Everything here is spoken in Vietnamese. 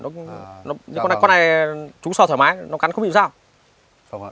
nhưng con này chú sợ thoải mái nó cắn không bị sao